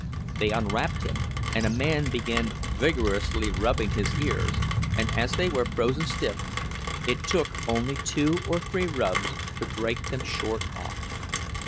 They unwrapped him, and a man began vigorously rubbing his ears; and as they were frozen stiff, it took only two or three rubs to break them short off.